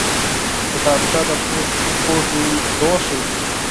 کتابچه د پوهې لوښی دی